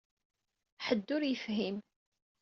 Ḥedd ur yefhim.